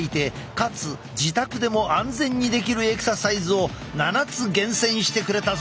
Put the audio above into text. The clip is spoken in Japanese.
かつ自宅でも安全にできるエクササイズを７つ厳選してくれたぞ！